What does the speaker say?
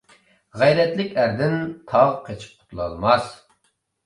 غەيرەتلىك ئەردىن تاغ قېچىپ قۇتۇلالماس.